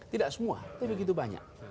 tidak semua tapi begitu banyak